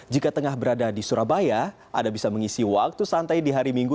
jika tengah berada di surabaya anda bisa mengisi waktu santai di hari minggu